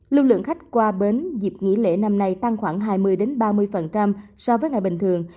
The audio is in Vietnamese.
lưu lượng khách qua bến dịp nghỉ lễ năm nay tăng khoảng hai mươi ba mươi so với ngày bình thường